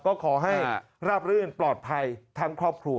ก็ขอให้ราบรื่นปลอดภัยทั้งครอบครัว